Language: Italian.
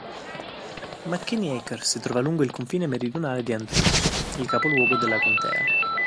McKinney Acres si trova lungo il confine meridionale di Andrews, il capoluogo della contea.